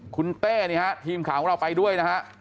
คุณเต้นี่ฮะทีมข่าวของเราไปด้วยนะฮะ